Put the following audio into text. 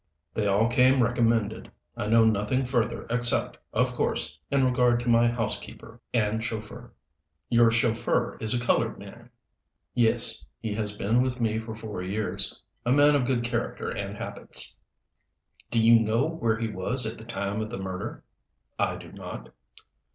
"They all came recommended. I know nothing further except, of course, in regard to my housekeeper and chauffeur." "Your chauffeur is a colored man?" "Yes. He has been with me for four years. A man of good character and habits." "Do you know where he was at the time of the murder?" "I do not."